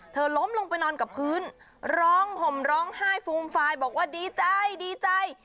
ล้มลงไปนอนกับพื้นร้องห่มร้องไห้ฟูมฟายบอกว่าดีใจดีใจ